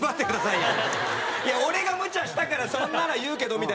いや俺がむちゃしたからそれなら言うけどみたいな。